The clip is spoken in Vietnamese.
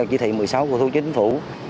một mươi sáu của thủ chính phủ